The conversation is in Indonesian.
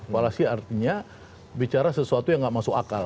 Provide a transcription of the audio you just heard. balasi artinya bicara sesuatu yang nggak masuk akal